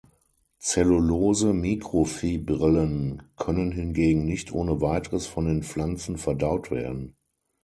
Cellulose-Mikrofibrillen können hingegen nicht ohne weiteres von den Pflanzen verdaut werden.